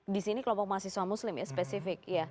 di sini kelompok mahasiswa muslim ya spesifik